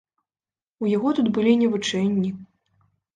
У яго тут былі не вучэнні.